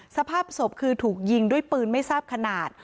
สภาพศพคือถูกยิงด้วยปืนไม่ทราบขนาด